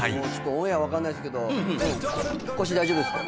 オンエア分かんないですけど腰大丈夫ですか？